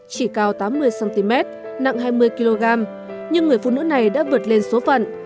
chỉ cao tám mươi cm nặng hai mươi kg nhưng người phụ nữ này đã vượt lên số phận